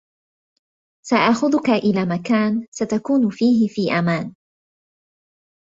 سآخذك إلى مكان ستكون فيه في أمان.